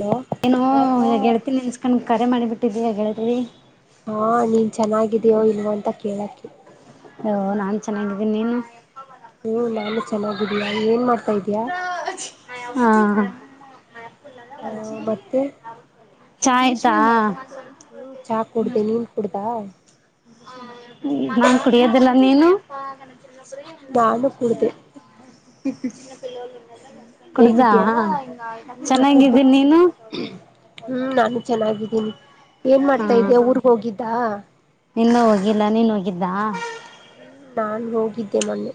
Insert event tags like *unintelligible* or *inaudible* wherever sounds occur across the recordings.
Hello ಏನು ಗೆಳ್ತಿನಿ ನೆನ್ಸ್ಕೊಂಡ್ ಕರೆ ಮಾಡಿಬಿಟ್ಟು ಗೆಳತಿ ಹಾ ನೀನ್ ಚೆನ್ನಾಗಿದೀಯೋ ಇಲ್ವ ಅಂತ ಕೇಳಕೆ ನಾನ್ ಚೆನ್ನಾಗಿದ್ದೀನಿ ನೀನು ಹ್ಮ್ ನಾನು ಚೆನ್ನಾಗಿದ್ದಿಲ್ಲ ಏನ್ ಮಾಡ್ತಿ ಹಾ ಹ್ಮ ಮತ್ತೆ *inaudible* ಚಾ ಆಯ್ತ ಹ್ಮ ಚಾ ಕುೂಡ್ದ ನೀನ್ ಕುಡ್ದಾ ಹ *inaudible* ನಾನ್ ಕುಡಿಯೋದಿಲ್ಲ ನೀನು *inaudible* ನಾನು *unintelligible* ಕುಡ್ದಾ ಹೇಗಿದಯ ಹ್ಮ್ ಕುಡ್ದ ಚೆನ್ನಾಗಿದ್ದೀನಿ ನೀನು ಹ್ಮ್ ನಾನು ಚೆನ್ನಾಗಿದ್ದೀನಿ ಏನ್ ಮಾಡ್ತಾ ಇದ್ಯಾ ಊರ್ ಹೋಗಿದ್ದ ನಿನ್ನ ಹೋಗಿಲ್ಲ ನೀನ್ ಹೋಗಿದ್ದ. ನಾನ್ ಹೋಗಿದ್ದೆ ಮೊನ್ನೆ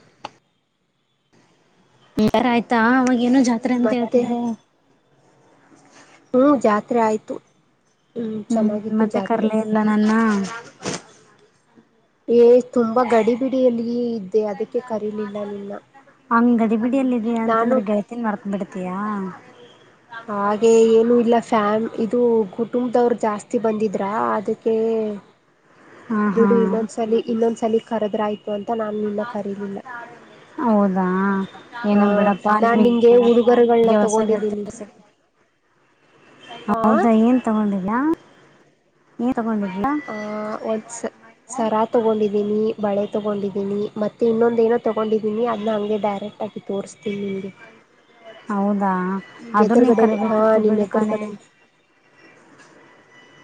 ಹ ಆಯ್ತಾ. ಏನೋ ಜಾತ್ರೆ ಹ್ಮ್ ಅಂತ ಮತ್ತೆ ಹೇಳ್ತಿದ್ದೆ. *unintelligible* ಹ್ಞೂ ಹ್ಮ್ ಜಾತ್ರೆ ಆಯಿತು. ಹ್ಮ್ ಚೆನ್ನಾಗಿತ್ತು ಮತ್ತೆ ಕರ್ಲೆ ಇಲ್ಲ ನನ್ನ. ಏ ತುಂಬಾ ಗಡಿಬಿಡಿ ಅಲ್ಲಿ ಹಂಗ ಗಡಿಬಿಡಿಯಲ್ಲಿದ ಅಂತಂದ್ರೆ ನಾನು ಗೆಳತನ್ ಮರ್ತ್ ಬಿಡ್. ತಿಯ ಹಾಗೆ ಏನು ಇಲ್ಲ. ಫ್ಯಾಮ್ ಇದು ಕುಟುಂಬದವರು ಜಾಸ್ತಿ ಬಂದಿದ್ರ ಅದಕ್ಕೆ. ಹಾ ಹಾ ಬಿಡಿ ಇನ್ನೊಂದ್ಸಲ ಇನ್ನೊಂದ್ಸಲ ಕರೆದೆ ದ್ರ್ ಆಯ್ತು ಅಂತ ನಾನ್ ನಿನ್ನ ಕರೀಲಿಲ್ಲ ಹೌದಾ ಏನ ಹಾ ಬಿಡಪ್ಪಾ ನಾನ್ ನಿಮ ನಿಂಗೆ ಉಡುಗೊರೆಗಳನ್ನ ಹೊಸ ಗೆಳತಿ ತಗೊಂಡಿದ್ದೀನಿ ಸಿಕ್ಕಿದರೆ ಹಾ ಹೌದಾ ಏನ್ ತಕೊಂಡಿದೀಯ ಏನ್ ತಗೊಂಡಿದ್ಯಾ ಆ ಒಂದ್ಸ ಸರಾ ತಗೊಂಡಿದೀನಿ ಬಳೆ. ತೊಗೊಂಡಿದ್ದೀನಿ ಮತ್ತೆ ಇನ್ನೊಂದು ಏನೋ ತೊಗೊಂಡಿದ್ದೀನಿ ಅದನ್ನ ಹಂಗೆ ಡೈರೆಕ್ಟ್ ಆಗಿ ತೋರಿಸ್ತೀನಿ ನಿಮಗೆ. ಹೌದ ಆದ್ರ ನೀ ಹಾ ಕರಬೇಕಿತ್ತು ನಿನ್ ಬಿಡ್ಕಣೆ. ಎದುರುಗಡೆನೆ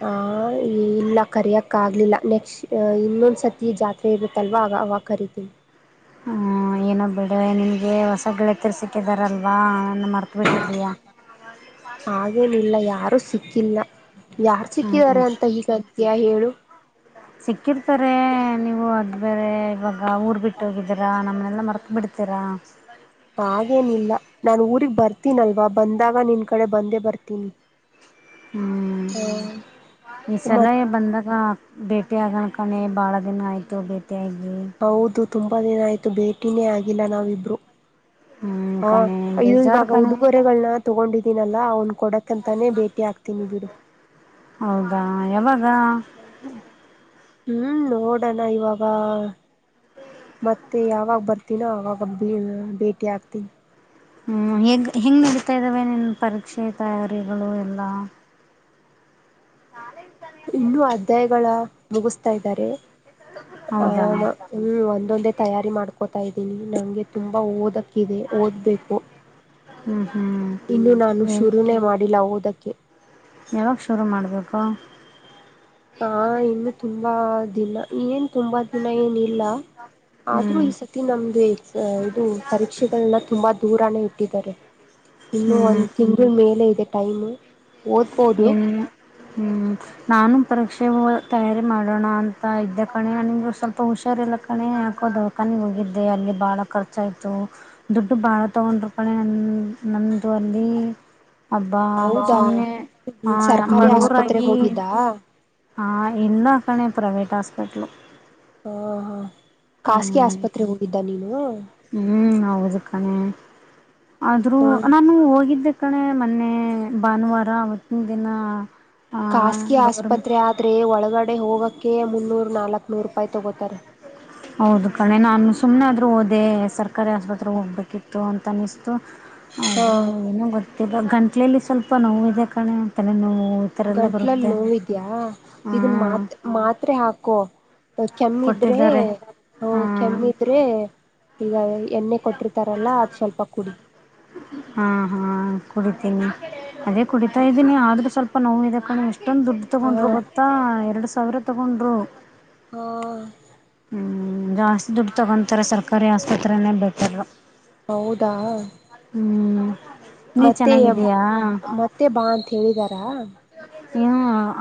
ಆ ಇಲ್ಲ ಕರೆಯೋಕ್ಕ ಆಗ್ಲಿಲ್ಲ ನೆಕ್ಟ್ ಇನ್ನೊಂದ್ಸರ್ತಿ ಜಾತ್ರೆ ಇರುತ್ತಲ್ವಾ ಆಗ ಅವಾಗ ಕರಿತೀನಿ. ಹ್ಮ ಏನೋ ಬಿಡು ನಿನ್ಗೆ ಹೊಸ ೆತ್ತರ್ ಸಿಕ್ಕಿದಾರಲ್ವಾ. ನನ್ನ ಮರ್ತ್ ಬಿಟ್ಟಿದೀಯಾ ಹಾಗೇನಿಲ್ಲ ಯಾರು. ಸಿಕ್ಕಿಲ್ಲ. ಯಾರ್ು ಹ್ಮ್ ಸಿಕ್ಕಿದಿದ್ದಾರೆ ಅಂತ ಹೀಗಾದ. ಸತ್ಯ ಎಳು ಸಿಕ್ಕಿರ್ತಾರೆ ನೀವು ಅದ ಬೇರೆ ಇವಾಗ ಊರ್ ಬಿಟ್ಟುೋಗಿದ್ದೀರಾ ನಮ್. ನಲ್ಲ ಮರತು ಬಿಡ್ತರಾ. ಹಾಗೇನಿಲ್ಲ ನಾನು ಊರಿಗೆ ಬರ್ತೀನಲ್ವಾ ಬಂದಾಗ ನಿನ್ ಕಡೆ ಬಂದೇ ಬರ್ತೀನಿ. ಹ್ಮ್ ಈ ಸಲ ಮತ್ ಬಂದಾಗ. ಭೇಟಿ ಆಗಣಕಣೆ ಬಹಳ ದಿನ ಆಯ್ತು ಬೇಟಿ. ತ್ಯಾಗಿ. ತುಂಬ ದಿನ ಆಯಿತು ಭೇಟಿಯೇ ಆಗಿಲ್ಲ ನಾವಿಬ್ಬರು. ಹ್ಮ್ ಹಾ ಕಣೆ ಇದು ಬೇಜಾರು ಇವಾಗ ಕಣೆ ಉಡುಗೊರೆಗಳನ್ನ. ತೊಗೊಂಡಿದೀನಲ್ಲ ಅವ್ನು ಕೊಡಕಂತಾನೇ ಭೇಟಿ ಹಾತೀನಿ ಬಿಡು ಹೌದಾ ಯಾವಾಗ ಹ್ಮ್ ನೋಡೋಣ ಇವಾಗ ಮತ್ತೆ ಯಾವಾಗ ಬರ್ತೀನೋ ಅವಾಗ ಭೇಟಿ ಆಕ್ತೀನಿ ಹ್ಮ್ ಹೆೇಗ್ ಹೆಂಗ್ ನಡೀತಾ ಇದ್ದಾವೆ ನೀನ್ ಪರೀಕ್ಷೆ ತಯಾರಿಗಳು ಎಲ್ಲಾ ನಾಾಳೆ ಇನ್ನುೂ ಅಧ್ಯಾಯಗಳ ಮುಗಿಸ್ತಾ ಇದ್ದಾರೆ ಆ ಹೌದಾ ಹ್ಮ್ ಒ ಒಂದೊಂದೇ ತಯಾರಿ ಮಾಡ್ಕೋತಾ ಇದ್ದೀನಿ ನಂಗೆ ತುಂಬಾ ಓದಕ್ಕೆ ಓದ್ಬೇಕು ಹ್ಮ್ ಹ್ಮ್ ಇನ್ನು ನಾನು ಏನ್ ಶುರುನೇ ಮಾಡಿಲ್ಲ ಓದ ತ್ತಕ್ಕೆ ಯಾವಾಗ ಶುರು ಮಾಡ್ಬೇಕು ಹಾ ಇನ್ನು ತುಂಬ ತು಼ಂಬ ದಿನ ಏನ್ ತುಂಬಾ ದಿನ ಏನಿಲ್ಲ ಆದ್ರೂ ಹ್ಮ್ ಈ ಸತಿ ನಮ್ದು ಇದು ಪರೀಕ್ಷೆಗಳೆಲ್ಲ ತುಂಬಾ ದೂರಾನೇ ಇ ಇದ್ದರೆ ಇನ್ನು ಹ್ಮ್ ಒಂದ್ ತಿಂಗಳು ಮೇಲೆ ಇದೆ ಟೈಮ ಓದ್ಬೋದು ಏನ್ ಹ್ಮ್ ನಾನು ಪರೀಕ್ಷೆ ತಯಾರಿ ಮಾಡೋಣ ಅಂತ ಇದ್ದ ಕಣೆ ನಿಮು ಸ್ವಲ್ಪ ಹುಷಾರಲ್ಲ ಕಣೆ ಯಾಕೋ ದಖಾನಿಗೆ ಹೋಗಿದ್ದೆ ಅಲ್ಲಿ ಬಾಳ ಖರ್ಚ ಆಯ್ತು ದುಡ್ಡು ಬಾಳ ತಗೊಂಡರು ಕಣೆ ನ ನಮ್ದು ಅಲ್ಲಿ ಅಬ್ಬಾ ಸುಮ್ನೆ ಹ್ಮ ಸರ್ಕಾರಿ ಆಸ್ಪತ್ರೆ ಹೋಗಿದ್ದಾ ಹಾ ಇನ್ನ ಆಕಣೇ ಪ್ರೈವೇಟ್ ಹಾಸ್ಪಿಟಲ್ ಹ ಹಾ ಖಾಸಗಿ ಆಸ್ಪತ್ರೆ ಹೋಗಿದ್ದ ನೀನು ಹ್ಮ್ ಹೌದು ಕಣೆ ಆದ್ರೂ ಹ್ಮ್ ನಾನು ಹೋಗಿದ್ದ ಅ ಕಡೆ ಮೊನ್ನೆ ಭಾನುವಾರ ಅವತ್ತಿನ ದಿನ ಆ ಖಾಸಗಿ ಗೌರ್ಮೆಂಟ್ ಆಸ್ಪತ್ರೆ ಆದ್ರೆ ಒಳಗಡೆ ಕಡೆ ಹೋಗೋಕ್ಕೆ ಮುನ್ನೂರು ನಾಲ್ಕು ನೂರು ರೂಪಾಯಿ ತೊಗೋತಾರೆ ಹೌದು ಕಣೆ ನಾನು ಸುಮ್ಮನೆ ಆದ್ರೂ ಓದೆ ಸರ್ ಸರ್ಕಾರಿ ಹೋಗ್ಬೇಕಿತ್ತು ತನಿಸ ಹಾ ಆದರೂ ಏನೋ ಗೊತ್ತ ಇವಾಗ ಗಂಟ್ಲಲ್ಲಿ ಸ್ವಲ್ಪ ನೋವು ಇದೆ ಕಣೆ ತಲೆ ನೋವು ಗಂಟ್ಲಲ್ಲಿ ನೋವಿದ್ಯಾ ಹಾ ಇದನ್ ಮಾತ್ ಮಾತ್ರೆ ಹಾಕೋ ಕೆಮ್ಮಿದ್ರೆ ಕೊಟ್ಟಿದ್ದಾರೆ ಹ ಹಾ ಕೆಮ್ಮಿದ್ರೆ ಇ ಎಣ್ಣೆ ಕೊಟ್ಟಿರ್ತಾರಲ್ಲ ಅದು ಸ್ವಲ್ಪ ಕುಡಿ ಹಾ ಹಾ ಕುಡಿತೀನಿ ಅದೇ ಕುಡಿತಾ ಇದೀನಿ ಆದ್ರೂ ಸ್ವಲ್ಪ ನೋವು ಇದೆ ಹ ದುಡ್ಡು ಹ ತೊಗೊಂಡ್ರು ಗೊತ್ತಾ ಎರಡು ಸವಿರ ತಗೊಂಡರು ಹ್ಮ ಹ್ಮ್ ಜಾಸ್ತಿ ದುಡ್ಡು ತಗೊಂತಾರೆ ಸರ್ಕಾರಿ ಆಸ್ಪತ್ರನೇ ಬೆಟರ್ ಹೌದಾ ಹ್ಮ್ ನೀ ಮತ್ತೆ ಚೆನ್ನಾಗಿದ್ದೀಯಾ ಮತ್ತೆ ಬಾ ಅಂತ ಹೇಳಿದಾರಾ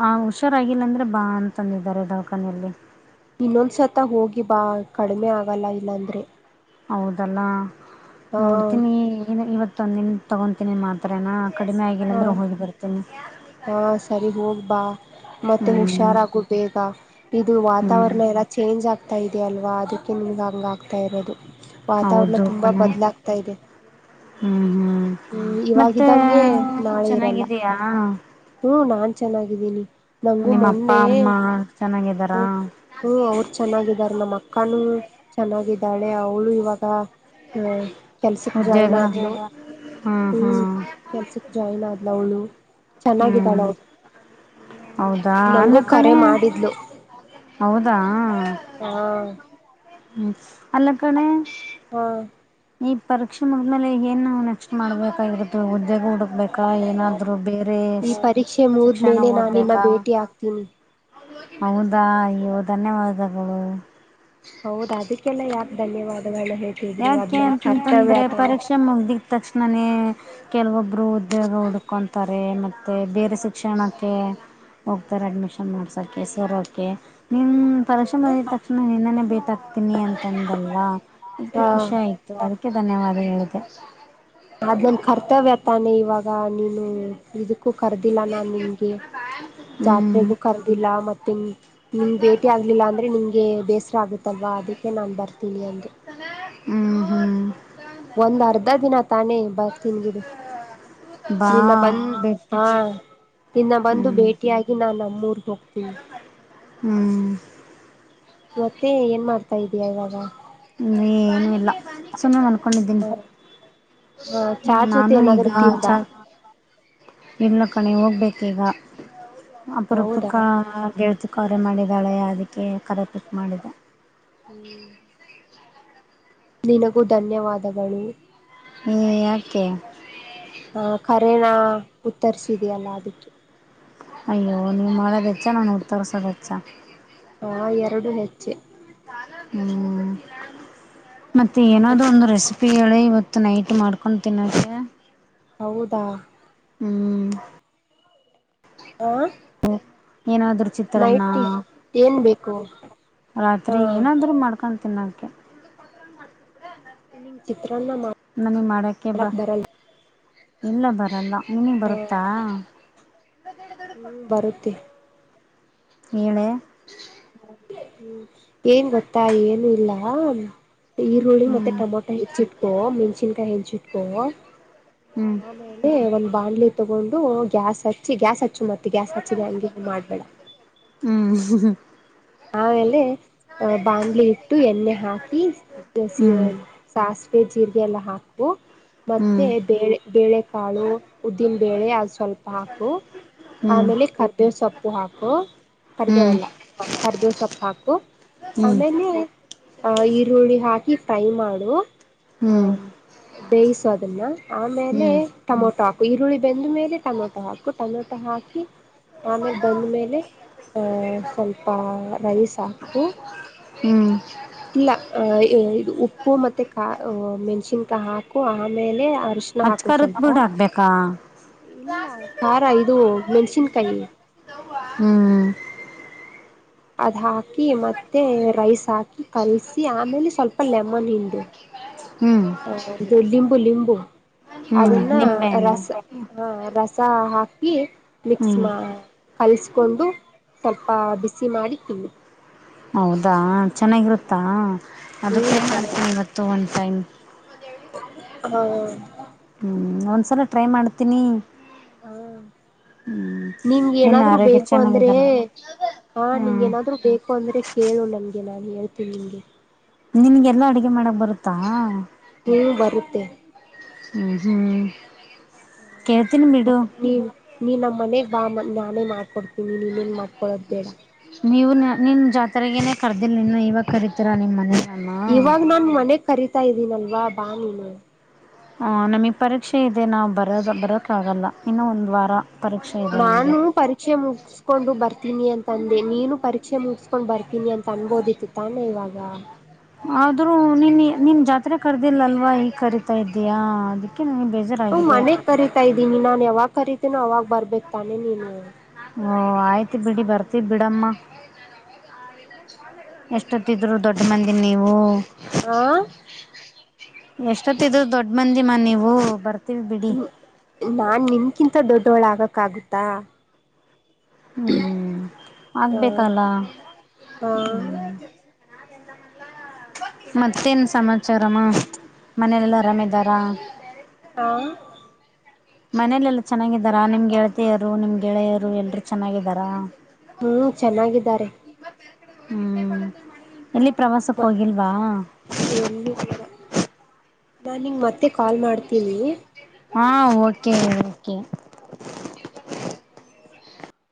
ಆ ಹುಷಾರಾಗಿಲ್ಲ ಅಂದ್ರೆ ಬಾ ಅಂತಂತಂದಿದ್ದಾರೆ ದವಾಖಾನೆಯಲ್ಲಿ ಇನ್ನೊಂದ್ಸತ ಹೋಗಿ ಬಾ ಕಡಿಮೆ ಆಗಲ್ಲ ಇಲ್ಲಾಂದ್ರೆ ಹೌದಲ್ಲಾ ಹಾ ನೋಡ್ತೀನಿ ಏ ಇವತ್ತು ತಂದಿನ ತಗೊತೀನಿ ಮಾತ್ರನಾ ಕಡಿಮೆ ಆಗಿಲ್ಲ ಹಾ ಅಂದ್ರೆ ಹೋಗಿ ಬರ್ತೇನಿ ಹಾ ಸರಿ ಹೋಗ್ಬಾ ಮತ್ತೆ ಹ್ಮ್ ಹುಷಾರಾಗು ಬೇಗ ಇದು ಹ್ಮ್ ವಾತಾವರಣ ಎಲ್ಲಾ ಚೇಂಜ್ ಆಗ್ತ ಇದೆ ಅಲ್ವಾ ಅದಕ್ಕೆ ನಿಮ್ಗೆ ಹಂಗ ಆಗ್ತಾ ಇರೋದು ವಾತಾವರಣ ಹೌದು ತುಂಬಾ ಕಣೆ ಬದ್ಲಾಗತಾ ಇದೆ ಹ್ಮ್ ಹ್ಮ್ ಹ್ಮ್ ಮತ್ತೆ ಇವಾಗಿದ್ದಂಗೆ ನೀ ನಾಳೆ ಇರಲ್ಲ ಚೆನ್ನಾಗಿದೀಯಾ ಹ್ಮ ನಾನ್ ಚೆನ್ನಾಗಿದ್ದೀನಿ ನಂಗು ನಿಮ್ಮ ಅಪ್ಪ ಮೊನ್ನೆ ಅಮ್ಮ ಚೆನ್ನಾಗಿದ್ದಾರಾ ಹ್ಮ ಅವರು ಚೆನ್ನಾಗಿದರ ನಮ್ಮ ಅಕ್ಕಾನೂ ಚೆನ್ನಾಗಿದ್ದಾಳೆ ಅವಳು ಇವಾಗ ಅಹ್ ಕೆಲ್ಸಕ್ ಜಾಯ್ನ್ ಉದ್ಯೋಗ ಆದನು ಹ್ಮ್ ಕೆಲ್ಸಿಕ ಜಾಯಲ್ಲ ಮದಲಳು ಅವ್ಳು ಚೆನ್ನಾಗಿದ್ದಾಳ ಹ್ಮ್ ಅವರು ಹೌದಾ ಅಲ್ಲ ನಂಗೂ ಕರೆ ಕಣೆ ಮಾಡಿದ್ಲು ಹೌದಾ ಹಾ ಹ್ಮ್ ಅಲ್ಲ ಗಣೇಶ್ ಹಾ ಈ ಪರೀಕ್ಷೆ ಮುದ್ಮೇಲೆ ಏನು ನೆಕ್ಸ್ಟ್ ಮಾಡ್ಬೇಕಾಗಿರುತ್ ಜಗ ಹುಡುಕ್ಬೇಕ ಏನಾದ್ರು ಬೇರೆ ಈ ಪರೀಕ್ಷೆ ಶಿಕ್ಷಣ ಮುಗಿದ್ಮೇಲೆ ನಾನಿನ್ನ ಓದ್ಬೇಕಾ ಭೇಟಿ ಆಗ್ತೀನಿ ಹೌದಾ ಅಯ್ಯೋ ಧನ್ಯವಾದಗಳು ಹೌದ ಅದಕ್ಕೆಲ್ಲಾ ಯಾಕೆ ಧನ್ಯವಾದಗಳು ಯಾಕೆ ಅಂತಂತಂದ್ರೆ ಪರೀಕ್ಷೆ ಮುಗ್ದಿದ ತಕ್ಷಣನೇ ಕೆಲವೊಬ್ರು ಉದ್ಯೋಗ ಹುಡ್ಕೊಂತಾರೆ ಮತ್ತೆ ಬೇರೆಸ ಶಿಕ್ಷಣಕ್ಕೆ ಹೋಗ್ತಾರೆ ಅಡ್ಮಿಷನ್ ಮಾಡ್ಸೋಕೆ ಸರ್ ಕೆ ನಿನ್ ಪರಿಶ್ರಮರಿದ ತಕ್ಷಣ ನಿನ್ನನೆ ಬೇಟ್ ಹಾಕ್ತೀನಿ ಅಂತಂದಲ್ವಾ ಅದಕ್ಕೆ ಹಾ ಖುಷಿ ಆಯ್ತು ಅದಕ್ಕೆ ಧನ್ಯವಾದ *unintelligible* ಆಗ ನೀನು ಇದ ಕರಿದಿಲ್ಲ ನಾನ್ ನಿಗೆ ಹ್ಞೂ ಜಾತ್ರೆಗೂ ಕರ್ದಿಲ್ಲ ಮತ್ತೆ ನಿಮ ಭೇಟಿ ಆಗ್ಲಿಲ್ಲ ಅಂದ್ರೆ ನಿಂಗೆ ಬೇಸ ಷ್ಟ ಆಗುತ್ತಲ್ವಾ ಅದಕ್ಕೆ ನಂಬರ್ ತಿಳಿಯಂತೆ ಹ್ಮ್ ಹ್ಮ್ ಒಂದ್ ಅರ್ಧ ದಿನ ತಾನೇ ಬರ್ತೀನ್ ಬಿಡು ಬಾ ನಿನ್ನ ಬಂದ ಬಿಟ್ಟು ಹಾ ನಿನ್ನ ಬಂದು ಹ್ಞೂ ಭೇಟಿಯಾಗಿ ನಾ ನಮ್ಮೂರ್ಗ ಹೋಗ್ತೀನಿ ಹ್ಮ್ ಮತ್ತೆ ಏನ್ ಮಾಡ್ ಆತ ಇದೆಯಾ ಇವಾಗ? ಏನು ಇಲ್ಲ ಸುಮ್ಮನೆ ಮನ್ಕೊಂಡಿದ್ದೀನಿ, ಹ ಚಾ ಜೊತೆ ನಾನು ಈಗ ಏನಾದ್ರು ತಿಂದ ಚಾ ಇಲ್ಲ ಕಣೆ ಹೋಗ್ಬೇಕೀಗ. ಹೌದಾ ಅಪರೂಪಕ್ಕ ಗೆಳ್ ಕರೆ ಮಾಡಿದ್ದಾಳೆ ಅದಕ್ಕೆ ಕರೆ ಪಿಕ್ ಮಾಡಿದೆ. *unintelligible* ನಿನಗೂ ಧನ್ಯವಾದಗಳು‌. ಅಗ ಯಾಕೆ? ಹ ಕರೆೇನ ಉತ್ತರಿಸಿದೆಯಲ್ಲ ಅದಕ್ಕೆ. ಅಯ್ಯೋ ನೀವು ಮಾಡೋದೆಚ್ಚ ನನ್ ಉತ್ತರ್ಸೋದೆಚ್ಚ. ಹ ಎರಡು ಹೆಚ್ಚೆ. ಹ್ಮ ಮತ್ತು ಏನಾದದೂ ಒಂದು ರೆಸಿ ಪ್ಪಿ ಹೇಳೆ, ಇವತ್ತು ನೈಟ್ ಮಾಡ್ಕೊಂಡ್ ತಿನ್ನೋಕೆ. ಹೌದಾ ಹ್ಮ್ ಹ ಏನಾದ್ರುೂ ಚಿತ್ರಾನ್ನ ನೈಟ್ ಏನ್ ಬೇಕು ಹಾ ರಾತ್ರಿ ಏನಾದ್ರರು ಮಾಡ್ಕ. ತಿನ್ನಕ ನಿಂ ಚಿತ್ತ ನಾನ ಮಾಡಕ ಬಾ ಇಲ್ಲ ಬರಲ್ಲ. ನಿನಿಗೆ ಬರುತ್ತಾ? ಹ್ಮ್ ಬರುತ್ತೆ ಹೇಳೇ ಹ್ಮ ಏನ್ ಗೊತ್ತಾ ಏನು ಇಲ್ಲ ಈರುಳ್ಳಿತ್ತೆ, ಹ್ಮ್ ಟಮೊಟೊ ಹೆಚ್ಚಿಟ್ಕೋ, ಮೆಣಸನ್ಕಾಯಿ ಹೆು ಇಟ್ಕೋ ಹ್ಮ್ ಆಮೇಲೆ ಒಂದು ಬಾಣಲಿ ತಗೊಂಡು ಗ್ಯಾಸ್ ಹಚ್ಚಿ ಗ್ಯಾಸ್ ಹಚ್ಚಿ ಮಾಡ ಹ್ಮ್ ಆಮೇಲೆ ಬಾಣ್ಲಿ ಇಟ್ಟು ಎಣ್ಣೆ ಹಾಕಿ ಹ್ಮ್ ಸಸ್ ಜೀರಿಗೆ ಎಲ್ಲ ಹಾಕು ಮತ್ತೆ ಹ್ಮ್ ಬೇರೆ ಬೇಳೆಕಾಳು ಉದ್ದಿನ ಬೇಳೆ ಅದು ಸ್ವಲ್ಪ ಹಾಕು ಹ್ಮ್ ಹ್ಮ್ ಆಮೇಲೆ ಕರ್ಬೇವ ಸೊಪ್ಪು ಹಾಕು ಕರ್ಬೇವ್ ಹ್ಮ್ ಅಲ್ಲ ಕರ್ಬೇವ ಸೊಪ್ಪು ಹಾಕು ಆಮೇಲೆ ಅ ಈರುಳ್ಳಿ ಹಾಕಿ ಫ್ರೈ ಮಾಡು ಹ್ಮ್ ಹ್ಮ ಬೇಯಿಸು ಅದನ್ನ ಲೆ ಹ್ಮ್ ಟೊಮೊಟೊ ಈರುಳ್ಳಿ ಬೆಂದ್ ಮೇಲೆ ಟೊಮೊಟೊ ಹಾಕು ಟೊಮೆಟೊ ಹಾಕಿ ಆಮೇ ಬಂದ್ಮೇಲೆ ಹ ಸ್ವಲ್ಪ ರೈಸ್ ಹಾಕು ಹ್ಮ್ ಇಲ್ಲ ಅ ಇ ಇದು ಉಪ್ಪು ಮತ್ತೆ ಕಾ ಮೆಣ್ಸಿನ್ಕಾಯಿ ಹಾಕು ಆಮೇಲೆ ಅರಶಣ ಹಾಕು ಅಚ್ಕರತ್ ಸ್ವಲ್ಪ ಬಿಡ್ ಹಾಕ್ಬೇಕಾ ಇಲ್ಲ ಖಾರ ಇದು ಮೆಣಸಿನ್ಕಾಯಿ ಹ್ಮ್ ಅದ್ ಹಾಕಿ ಮತ್ತೆ ರೈಸ್ ಹಾಕಿ ಕಲಸಿ ಆಮೇಲೆ ಸ್ವಲ್ಪ ಲೆಮನ್ ಹಿಂಡು ಹ್ಮ್ ಹ ಇದು ಲಿಂಬು ಲಿಂಬು ಹ್ಮ್ ಅದನ್ನ ನಿಂಬೆಹಣ್ಣು ರಸ ಹಾ ರಸ ಹಾಕ್ ಈ ಮಿಕ್ಸ್ ಹ್ಮ್ ಮಾ ಕಲ್ಸ್ ಕೊಂಡು ಸ್ವಲ್ಪ ಬಿಸಿ ಮಾಡಿ ತಿನ್ನಿ ಹೌದಾ ಚೆನ್ನಾಗಿರುತ್ತಾ ಅದಕ್ಕೆ ಹ್ಮ್ ಏನ್ ಮಾಡ್ತೀನಿ ಇವತ್ತು ಒನ್ ಟೈಮ್ ಹ್ಮ *inaudible* ಹ್ಮ್ ಒಂದ್ಸಲ ಟ್ರೈ ಮಾಡ್ತೀನಿ ಹಾ ಹ್ಮ್ ನಿಮ್ಗೆ ನಿನ್ನ ಏನಾದ್ರು ಆರೋಗ್ಯ ಬೇಕು ಅಂದ್ರೆ ಚೆನ್ನಾಗಿದಲ್ವಾ ಹ ನಿಂಗ್ ಹ್ಮ್ ಏನಾದ್ರು ಬೇಕು ಅಂದ್ರೆ ಕೇಳು ನನ್ಗೆ ನಾನು ಹೇಳ್ತೀನ್ ನಿಮಗೆ ನಿನ್ಗೆಲ್ಲಾ ಅಡುಗೆ ಮಾಡಕ್ ಬರುತ್ತಾ- ಹು ಬರುತ್ತೆ ಜ *unintelligible* ಹ ಮ ನೀ ನೀ ನಮ್ಮ ಮನೆ *unintelligible* ಬಾ ನ ನಾನೇ ಮಾಡ್ಕೊಡ್ತೀನಿ ನೀನೇನ್ ಮಾಡ್ಕೊಳೋದು ಬೇಡ ನೀವು ನ ನಿನ್ ಜ ರಗೇ ಕರ್ದಿಲ್ ಇನ್ನ ಇವಾಗ ಕರಿತೀರಾ ನಿಮ್ ಮನೆಗೆ ಇವಾಗ ನಾನ್ ಮನೆಕ್ ಕರಿತಾ ಇದ್ದೀನಲ್ವಾ ಬಾ ನೀನು ಹ ನಮಗ್ ಪರೀಕ್ಷೆ ಇದೆ ನಾವು ಬರದ ಬರೋಕ್ಕಾಗಲ್ಲ ಇನ್ನು ಒಂದ್ ವಾರ ಪರೀಕ್ಷೆ ಇದೆ ನಮಗೆ ನಾನು ಪರೀಕ್ಷೆ ಮುಗಸ್ಕೊಂಡು ಬರ್ತೀನಿ ಅಂತ್ ಅಂದೆ ನೀನು ಪರೀಕ್ಷೆ ಮುಗಸ್ಕೊಂಡು ಬರ್ತೀನಿ ಅಂತ ಅನ್ಬೋದಿತ್ತು ತಾನೇ ಇವಾಗ ಆದ್ರೂ ನಿನಿ ನಿನ್ ಜತ್ ಮೊದಲೇ ಕರೆದಿಲ್ಲ ಅಲ್ವಾ ಈ ಕ *unintelligible* ಇದಯಾ ಅದಕ್ಕೆ ನನಗೆ ಹ ಬೇಜಾರಾಗಿದೆ ಮನೆಗ್ ಕರೀತಾ ಇದ್ದೀನಿ ನಾನ್ ಯಾವಾಗ ಕರೀತೀನೋ ಅವಾಗ್ ಬರ್ಬೇಕು ತಾನೇ ನೀನು ಓ ಆಯ್ತು ಬಿಡಿ ಬರ್ತ ಬಿಡಮ್ಮ ಎಷ್ಟೊತ್ತಿದ್ರು ದೊಡ್ಡ ಮಂದಿ ನೀವು ಹಾ ಎಷ್ಟತ್ತ ಇದ್ ದೊಡ್ಡ ಮಂದಿ ಮಾ ನೀವು ಬರ್ತ ಹ್ಮ ನಾನ್ ನಿನ್ ಕ್ಕಿಂತ ದೊಡ್ಡೋಳಾಗಕ್ಕಾಗುತ್ತಾ ಹ್ಮ್ ಆಗ್ಬೇಕಲ್ಲ ಹಾ ಹ್ಮ್ ಮತ್ತೇನ್ ಸಮಾಚಾರಮ್ಮ ಮನೇಲೆಲ್ಲ ಆರಾಮಿದಾರಾ ಹಾ ಮನಲೆಲ್ಲ ಚೆನ್ನಾಗಿದ್ದಾರಾ ನಿಮ್ ಗೆಳತಿಯರು ನಿಮ್ ಗೆಳೆಯರು ಎಲ್ರುೂ ಚೆನ್ನಾಗಿದ್ದಾರಾ ಹ್ಮ್ ಚೆನ್ನಾಗಿದ್ದಾರೆ ಹ್ಮ್ ಎಲ್ಲಿ ಪ್ರವಾಸಕ್ಕೆ ಹೋಗಿಲ್ವಾ ಎಲ್ಲಿ ಇಲ್ಲ ನಾನ್ ನಿಂಗ ಮತ್ತೆ ಕಾಲ್ ಮಾಡ್ತಿ ತಿಲ್ಲಿೇ ಹಾ ಓಕೆ ೆ